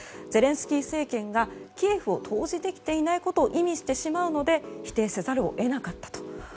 ゼレンスキー政権がキエフを統治できていないことを意味してしまうので否定せざるを得なかったと。